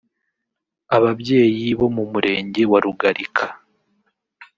Ababyeyi bo mu Murenge wa Rugalika